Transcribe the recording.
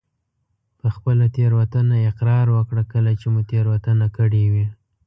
په خپله تېروتنه اقرار وکړه کله چې مو تېروتنه کړي وي.